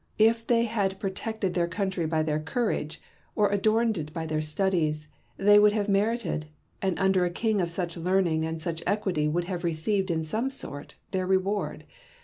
If they had protected their country by their courage or adorned it by their studies, they would have merited, and under a king of such leai*ning and such equity would have received in some sort, their reward.